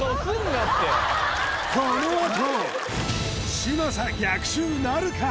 このあと嶋佐逆襲なるか？